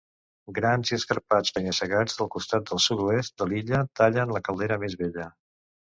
Grans i escarpats penya-segats del costat sud-oest de l'illa tallen la caldera més vella.